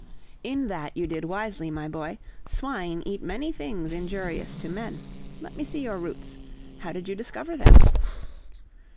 "In that you did wisely, my boy. Swine eat many things injurious to men. Let me see your roots. How did you discover them?"